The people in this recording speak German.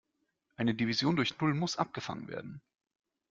Eine Division durch Null muss abgefangen werden.